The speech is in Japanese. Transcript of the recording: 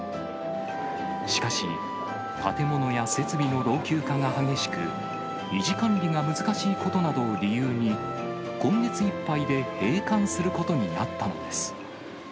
しかし、建物や設備の老朽化が激しく、維持管理が難しいことなどを理由に、今月いっぱいで閉館することになったのです。